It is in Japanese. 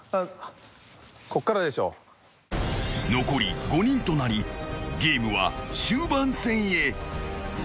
［残り５人となりゲームは終盤戦へ］